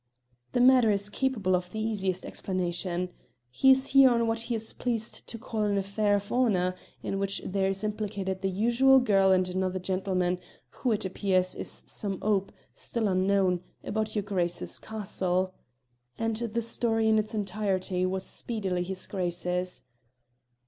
"The matter is capable of the easiest explanation. He's here on what he is pleased to call an affair of honour, in which there is implicated the usual girl and another gentleman, who, it appears, is some ope, still unknown, about your Grace's castle." And the story in its entirety was speedily his Grace's.